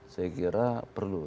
saya kira perlu